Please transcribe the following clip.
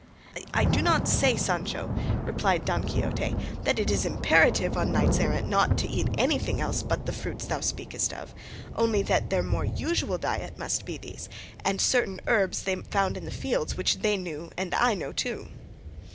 "I do not say, Sancho," replied Don Quixote, "that it is imperative on knights errant not to eat anything else but the fruits thou speakest of; only that their more usual diet must be those, and certain herbs they found in the fields which they knew and I know too."